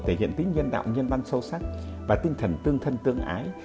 thể hiện tính nhân đạo nhân văn sâu sắc và tinh thần tương thân tương ái